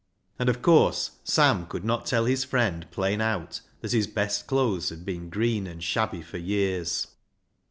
And, of course, Sam could not tell his friend plain out that his best clothes had been green and shabby for years.